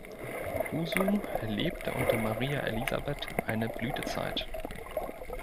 Husum erlebte unter Maria Elisabeth eine Blütezeit.